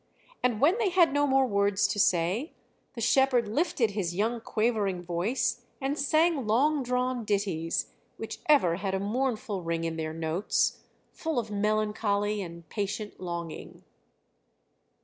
And when they had no more words to say, the shepherd lifted his young quavering voice and sang long drawn ditties, which ever had a mournful ring in their notes, full of melancholy and patient longing.